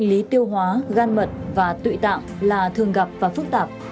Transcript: bệnh lý tiêu hóa gan mật và tụy tạm là thường gặp và phức tạp